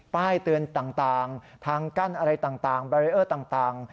ป้ายเตือนต่างทางกั้นอะไรต่างบารีเออร์ต่าง